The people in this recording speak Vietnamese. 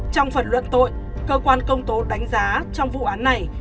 trong phần luận tội cơ quan công tố đánh giá trong vụ án này